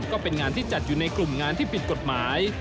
ก็เป็นงานที่จัดอยู่ในกลุ่มงานที่ผิดกฎหมาย